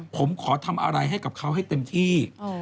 ผมขอทำอะไรให้กับเขาให้เต็มที่